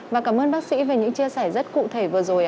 và cảm ơn bác sĩ về những chia sẻ rất cụ thể vừa rồi